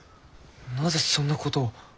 なぜそんなことを。